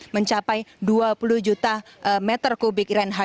mencapai dua puluh juta meter kubik reinhardt